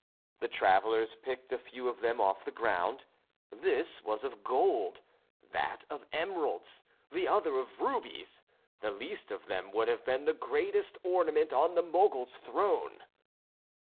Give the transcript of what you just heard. The travellers picked a few of them off the ground; this was of gold, that of emeralds, the other of rubies the least of them would have been the greatest ornament on the Mogul's throne.